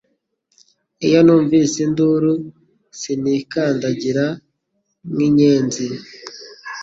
Iyo numvise induru sinikandagira nk' inkenzi.